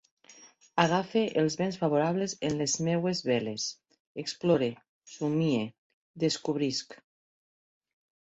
Agafe els vents favorables en les meues veles. Explore. Somie. Descobrisc.